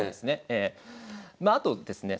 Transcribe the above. まああとですね